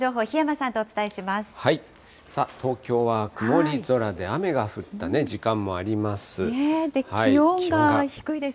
さあ、東京は曇り空で、雨が降った時間もあります。